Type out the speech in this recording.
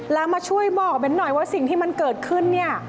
แล้วมาช่วยบอกเน้นหน่อยว่าสิ่งที่มันเกิดขึ้นเนี่ย